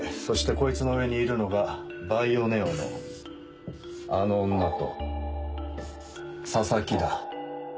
そしてこいつの上にいるのがバイオネオのあの女と佐々木だ。